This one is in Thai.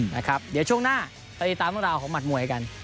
นะครับเดี๋ยวช่วงหน้าติดตามเวลาของหมัดมวยกัน